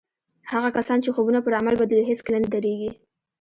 هغه کسان چې خوبونه پر عمل بدلوي هېڅکله نه درېږي.